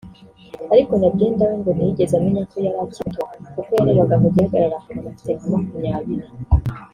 ariko Nyabyenda we ngo ntiyigeze amenya ko yari akiri muto kuko yarebaga mu gihagararo akabona afite nka makumyabiri